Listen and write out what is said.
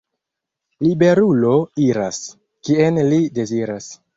Liberulo iras, kien li deziras.